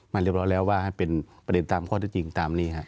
มาเรียบร้อยแล้วว่าเป็นประเด็นตามข้อจริงตามนี้ค่ะ